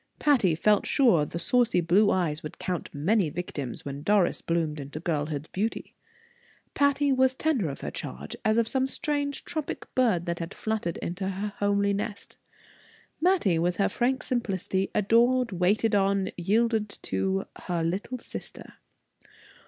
Patty felt sure the saucy blue eyes would count many victims when Doris bloomed into girlhood's beauty. Patty was tender of her charge, as of some strange tropic bird that had fluttered into her homely nest. Mattie, with her frank simplicity, adored, waited on, yielded to, her "little sister."